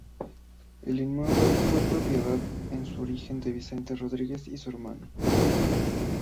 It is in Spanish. El inmueble fue propiedad, en su origen, de Vicente Rodríguez y hermano.